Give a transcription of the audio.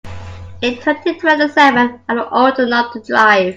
In twenty-twenty-seven I will old enough to drive.